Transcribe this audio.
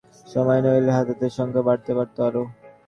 দুর্ঘটনা ঘটেছে দুপুরের খাবারের সময়, নইলে হতাহতের সংখ্যা বাড়তে পারত আরও।